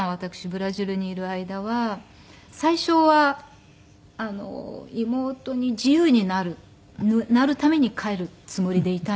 ブラジルにいる間は最初は妹に自由になるなるために帰るつもりでいたんです。